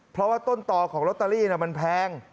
เพราะว่าต้นต่อของลอตเตอรี่มันแพง